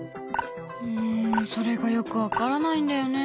うんそれがよく分からないんだよね。